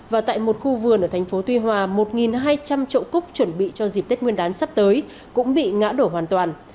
và tại một khu vườn ở thành phố tuy hòa một hai trăm linh trậu cúc chuẩn bị cho dịp tết nguyên đán sắp tới cũng bị ngã đổ hoàn toàn